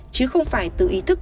chứ không phải từ ý thức